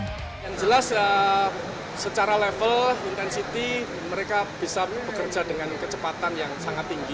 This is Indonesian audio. yang jelas secara level intensity mereka bisa bekerja dengan kecepatan yang sangat tinggi